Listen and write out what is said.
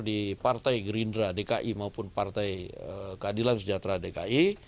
di partai gerindra dki maupun partai keadilan sejahtera dki